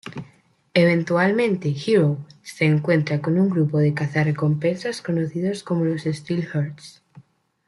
Eventualmente, Hero se encuentra con un grupo de cazarrecompensas conocidos como los Steel Hearts.